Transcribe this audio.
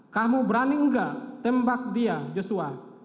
kamu berani enggak tembak dia joshua